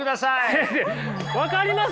先生分かります？